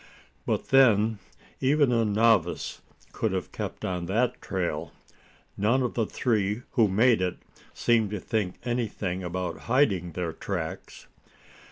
But then, even a novice could have kept on that trail. None of the three who made it seemed to think anything about hiding their tracks.